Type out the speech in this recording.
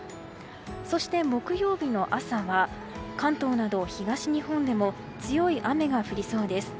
そして木曜日の朝は関東など東日本でも強い雨が降りそうです。